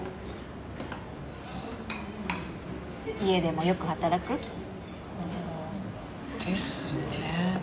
家でもよく働く？ですね。